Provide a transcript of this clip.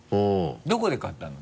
どこで買ったの？